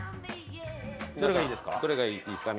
どれがいいですか？